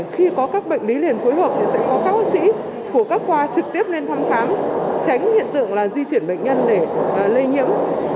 khi có các bệnh lý liền phối hợp thì sẽ có các bác sĩ của các khoa trực tiếp lên thăm khám tránh hiện tượng là di chuyển bệnh nhân để lây nhiễm